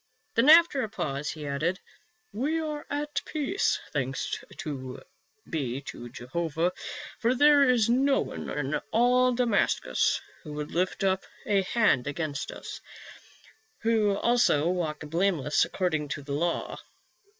Then, after a pause, he added, " We are at peace, thanks be to Jehovah, for there is no one in all Damascus who would lift up a hand against us — who also walk blameless according to the law.